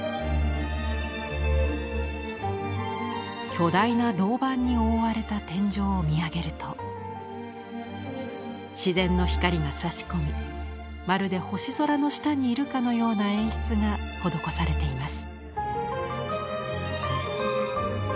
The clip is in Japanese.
巨大な銅板に覆われた天井を見上げると自然の光がさし込みまるで星空の下にいるかのような演出が施されています。